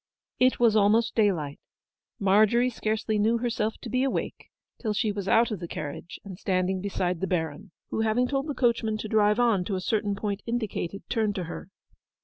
It was almost daylight. Margery scarcely knew herself to be awake till she was out of the carriage and standing beside the Baron, who, having told the coachman to drive on to a certain point indicated, turned to her.